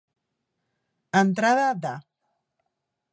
A entrada de.